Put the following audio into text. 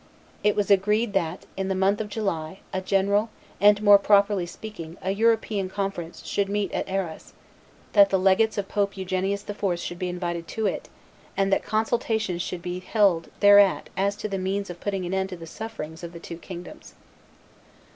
It was agreed that in the month of July a general, and, more properly speaking, a European conference should meet at Arras, that the legates of Pope Eugenius IV. should be invited to it, and that consultation should be held thereat as to the means of putting an end to the sufferings of the two kingdoms.